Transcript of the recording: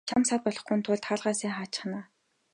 Чамд саад болохгүйн тулд хаалгаа сайн хаачихна.